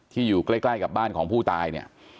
อยู่ใกล้กับบ้านของผู้ตายเนี่ย